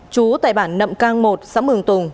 chú tại bản nậm căng một xã mường tùng